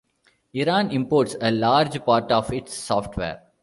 Iran imports a large part of its software.